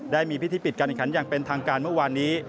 ได้มีพิธีปิดการแข่งขันอย่างเป็นทางการเมื่อวานนี้